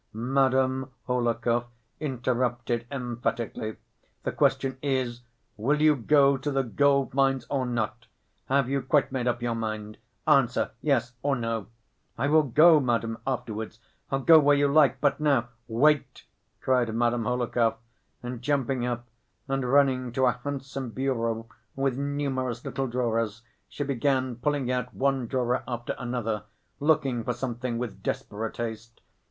Madame Hohlakov interrupted emphatically. "The question is, will you go to the gold‐mines or not; have you quite made up your mind? Answer yes or no." "I will go, madam, afterwards.... I'll go where you like ... but now—" "Wait!" cried Madame Hohlakov. And jumping up and running to a handsome bureau with numerous little drawers, she began pulling out one drawer after another, looking for something with desperate haste.